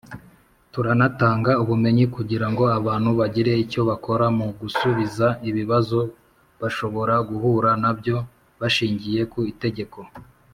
Turanatanga ubumenyi kugira ngo abantu bagire icyo bakora mu gusubiza ibibazo bashobora guhura nabyo bashingiye ku itegeko